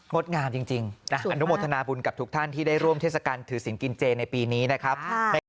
ดงามจริงอนุโมทนาบุญกับทุกท่านที่ได้ร่วมเทศกาลถือสินกินเจในปีนี้นะครับ